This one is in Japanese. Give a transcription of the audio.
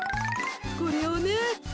これをね